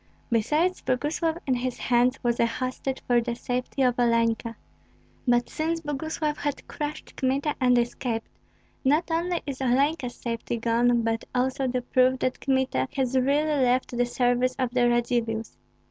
Besides, Boguslav in his hands was a hostage for the safety of Olenka. But since Boguslav has crushed Kmita and escaped, not only is Olenka's safety gone, but also the proof that Kmita has really left the service of the Radzivills.